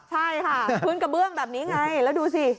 ใช่ค่ะพื้นกระเบื้องแบบนี้ไงแล้วดูสิ